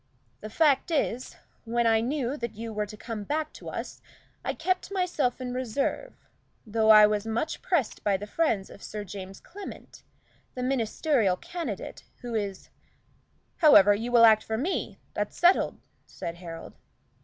The fact is, when I knew that you were to come back to us, I kept myself in reserve, though I was much pressed by the friends of Sir James Clement, the Ministerial candidate, who is " "However, you will act for me that's settled?" said Harold.